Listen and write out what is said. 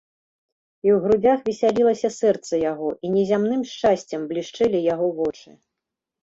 І ў грудзях весялілася сэрца яго, і незямным шчасцем блішчэлі яго вочы.